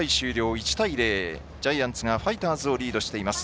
１対０ジャイアンツがファイターズをリードしています。